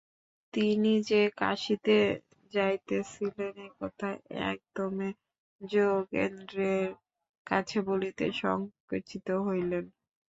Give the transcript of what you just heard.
তিনি যে কাশীতে যাইতেছিলেন এ কথা এক দমে যোগেন্দ্রের কাছে বলিতে সংকুচিত হইলেন।